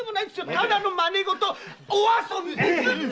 ただのまねごとお遊びです。